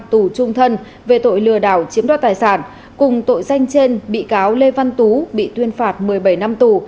tù trung thân về tội lừa đảo chiếm đoạt tài sản cùng tội danh trên bị cáo lê văn tú bị tuyên phạt một mươi bảy năm tù